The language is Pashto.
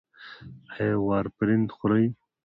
ایا وارفرین خورئ؟